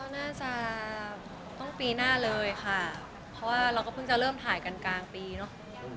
น่าจะต้องปีหน้าเลยค่ะเพราะว่าเราก็เพิ่งจะเริ่มถ่ายกันกลางปีเนอะ